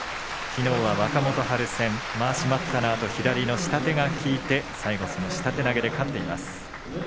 きのうは若元春戦、まわし待ったのあと、左の下手が効いて最後、下手投げで勝っています。